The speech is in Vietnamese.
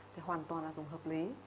thì hoàn toàn là dùng hợp lý